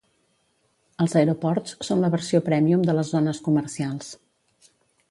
Els aeroports són la versió prèmium de les zones comercials.